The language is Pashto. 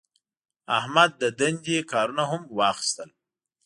احمد د دندې کارونه هم واخیستل.